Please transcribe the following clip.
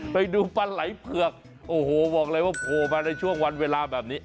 ไปดูปลาไหล่เผือกโอ้โหบอกเลยว่าโผล่มาในช่วงวันเวลาแบบนี้